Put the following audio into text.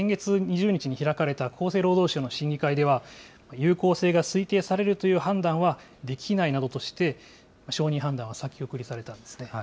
ただ、先月２０日に開かれた厚生労働省の審議会では、有効性が推定されるという判断はできないなどとして、承認判断が先送りされたんですね。